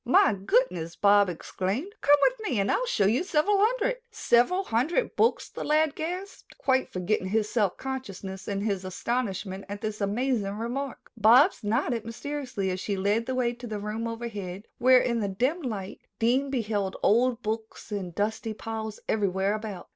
"My goodness!" Bobs exclaimed. "Come with me and I will show you several hundred." "Several hundred books," the lad gasped, quite forgetting his self consciousness in his astonishment at this amazing remark. Bobs nodded mysteriously as she led the way to the room overhead, where in the dim light Dean beheld old books in dusty piles everywhere about.